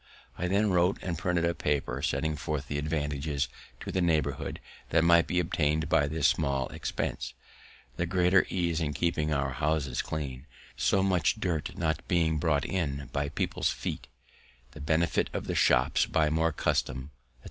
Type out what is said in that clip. I then wrote and printed a paper setting forth the advantages to the neighbourhood that might be obtain'd by this small expense; the greater ease in keeping our houses clean, so much dirt not being brought in by people's feet; the benefit to the shops by more custom, etc.